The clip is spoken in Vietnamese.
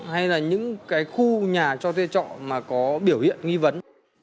hay là những cái khu nhà cho thuê trọ mà có biểu hiện nghi vấn